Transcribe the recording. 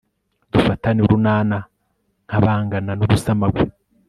dufatane urunana nk'abangana n'urusamagwe